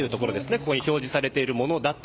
ここに表示されているものだと。